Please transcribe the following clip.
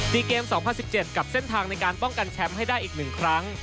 เกม๒๐๑๗กับเส้นทางในการป้องกันแชมป์ให้ได้อีก๑ครั้ง